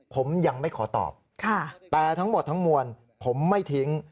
ผมยังไม่ขอตอบแต่ทั้งหมดทั้งมวลผมไม่ทิ้ง